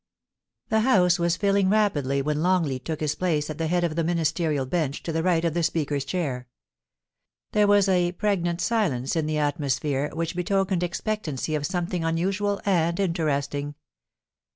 The House was filling rapidly when Longleat took his place at the head of the Ministerial bench to the right of the Speaker's chair. There was a pregnant silence in the atmosphere which betokened expectancy of something un usual and interesting.